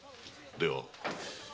では？